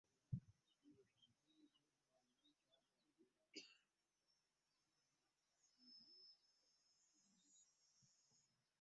Ono ye Kampala ekibuga kyaffe.